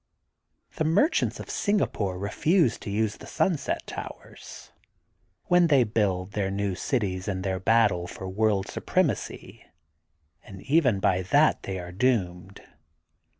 The mer chants of Singapore refuse to use the Sunset Towers, when they build their new cities in 220 THE GOLDEN BOOK DF SPRINGFIELD their battle for world supremacy, and even by that they are doomed.